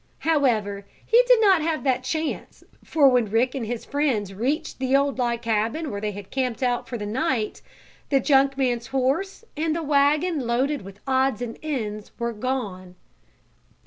However he did not have that chance, for when Rick and his friends reached the old log cabin where they had camped out for the night the junk man's horse, and the wagon loaded with odds and ends, were gone.